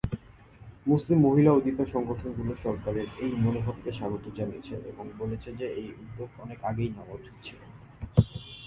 মুসলিম মহিলা অধিকার সংগঠনগুলি সরকারের এই মনোভাবকে স্বাগত জানিয়েছে এবং বলেছে যে এই উদ্যোগ অনেক আগে নেওয়া উচিত ছিল।